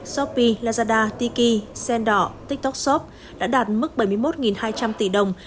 shopee lazada tiki sendor tiktok shop đã đạt mức bảy mươi một hai trăm linh tỷ đồng